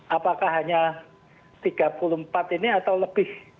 apakah hanya tiga puluh empat ini atau lebih